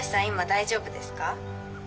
今大丈夫ですか？